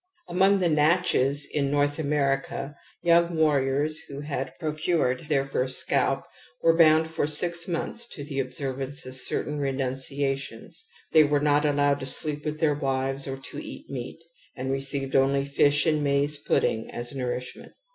Among the Natchez in North America yoimg warriors who had prociu'ed their first scalp were bound for six months to the observance of cer tain renunciations. They were not allowed to sleep with their wives or to eat meat, and received only fish and maize pudding as nourishment.